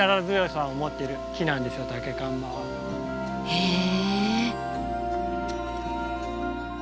へえ。